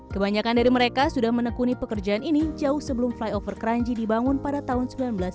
kebanyakan dari mereka sudah menekuni pekerjaan ini jauh sebelum flyover keranji dibangun pada tahun seribu sembilan ratus sembilan puluh